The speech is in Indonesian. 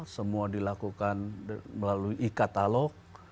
semua dilakukan melalui e katalog